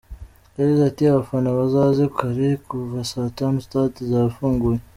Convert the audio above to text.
Yagize ati “Abafana bazaze kare, kuva saa tanu stade izaba ifunguye.